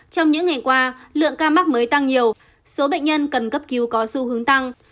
trong những ngày qua lượng ca mắc mới tăng nhiều số bệnh nhân cần cấp cứu có xu hướng tăng